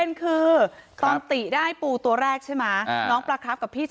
นี่ปูเป็นนะครับผม